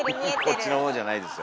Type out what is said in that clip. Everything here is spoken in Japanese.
「こっちの方」じゃないですよ。